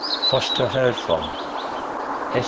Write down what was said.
FOSTER HEARD FROM. S.